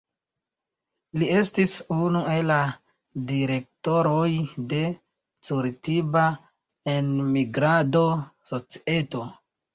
Li estis unu el la direktoroj de Curitiba Enmigrado Societo.